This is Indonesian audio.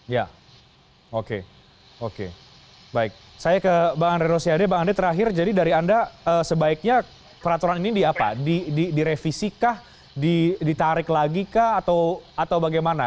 ya oke oke baik saya ke bang andre rosiade bang andre terakhir jadi dari anda sebaiknya peraturan ini direvisi kah ditarik lagi kah atau bagaimana